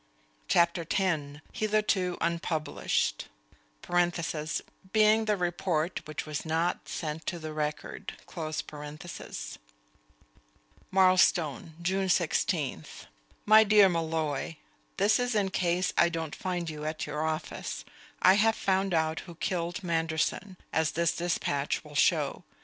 CHAPTER X "HITHERTO UNPUBLISHED" (Being the report which was not sent to the Record.) Marlstone, June 16th. My Dear Molloy: This is in case I don't find you at your office. I have found out who killed Manderson, as this despatch will show.